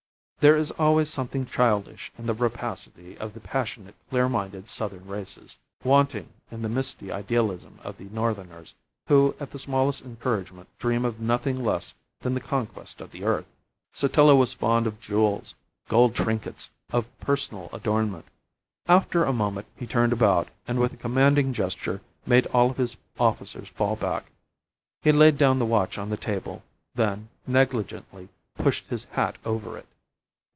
There is always something childish in the rapacity of the passionate, clear minded, Southern races, wanting in the misty idealism of the Northerners, who at the smallest encouragement dream of nothing less than the conquest of the earth. Sotillo was fond of jewels, gold trinkets, of personal adornment. After a moment he turned about, and with a commanding gesture made all his officers fall back. He laid down the watch on the table, then, negligently, pushed his hat over it.